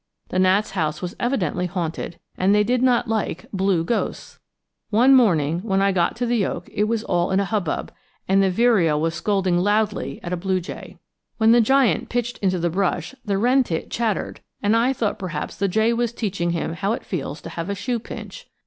The gnats' house was evidently haunted, and they did not like blue ghosts. One morning when I got to the oak it was all in a hubbub, and the vireo was scolding loudly at a blue jay. When the giant pitched into the brush the wren tit chattered, and I thought perhaps the jay was teaching him how it feels to have a shoe pinch.